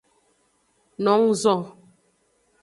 No nguzo.